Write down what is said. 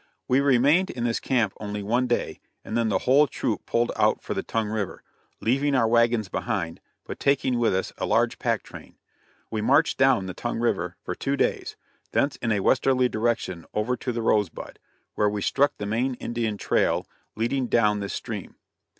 We remained in this camp only one day, and then the whole troop pulled out for the Tongue river, leaving our wagons behind, but taking with us a large pack train. We marched down the Tongue river for two days, thence in a westerly direction over to the Rosebud, where we struck the main Indian trail, leading down this stream.